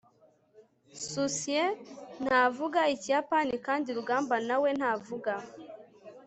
susie ntavuga ikiyapani, kandi rugamba na we ntavuga